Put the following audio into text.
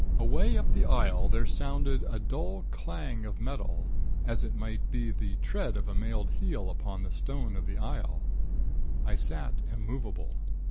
Away up the aisle, there sounded a dull clang of metal, as it might be the tread of a mailed heel upon the stone of the aisle. I sat immovable.